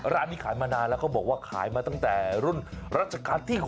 ร้านนี้ขายมานานแล้วเขาบอกว่าขายมาตั้งแต่รุ่นรัชกาลที่๖